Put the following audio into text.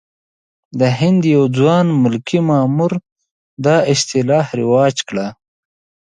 د هند یو ځوان ملکي مامور دا اصطلاح رواج کړه.